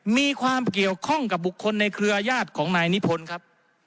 มีความเกี่ยวข้องกับบุคคลในเครือญาติของนายนิพนธ์ครับ